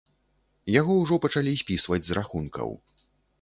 Яго ўжо пачалі спісваць з рахункаў.